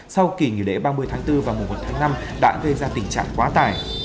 sau kỷ nghỉ lễ ba mươi tháng bốn và một tháng năm đã gây ra tình trạng quá tải